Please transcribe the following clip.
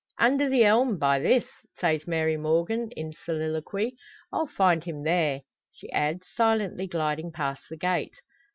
"Under the elm, by this," says Mary Morgan, in soliloquy. "I'll find him there," she adds, silently gliding past the gate.